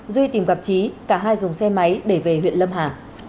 duy tìm gặp trí cả hai dùng xe máy để về huyện lâm hà